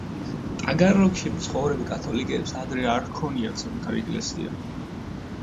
ტაგანროგში მცხოვრებ კათოლიკეებს ადრე არ ჰქონიათ საკუთარი ეკლესია.